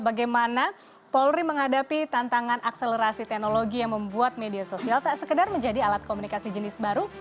bagaimana polri menghadapi tantangan akselerasi teknologi yang membuat media sosial tak sekedar menjadi alat komunikasi jenis baru